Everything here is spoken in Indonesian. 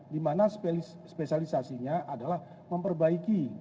dimana spesialisasinya adalah memperbaiki